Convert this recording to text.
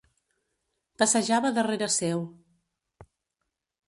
Passejava darrere seu.